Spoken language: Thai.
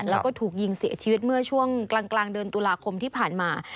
แล้วก็ถูกยิงเสียชีวิตเมื่อช่วงกลางเดือนตุลาคมที่ผ่านมา